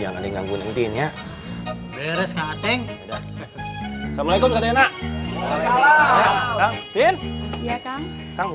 ini ada apaan sih ramai ramai disini